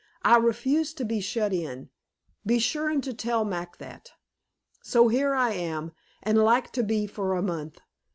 I rafuse to be shut in. Be shure to tell Mac that. So here I am, and like to be for a month.